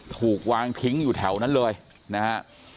ถูกวางทิ้งอยู่แถวนั้นเลยนะฮะ